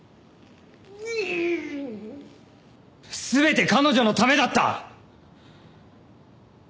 全て彼女のためだった！